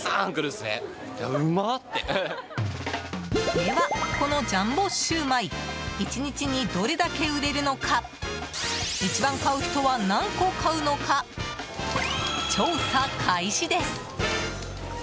では、このジャンボシューマイ１日にどれだけ売れるのか一番買う人は何個買うのか調査開始です。